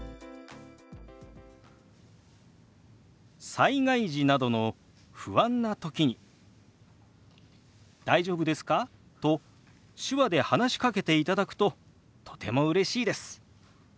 災害時などの不安な時に「大丈夫ですか？」と手話で話しかけていただくととてもうれしいです。